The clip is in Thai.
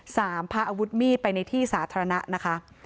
พาอาวุธมีดไปในที่สาธารณะนะคะ